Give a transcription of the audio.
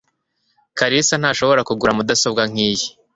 Kalisa ntashobora kugura mudasobwa nkiyi.